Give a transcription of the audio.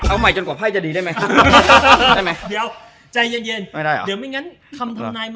เอาใหม่จนกว่าไพ่จะดีได้ไหม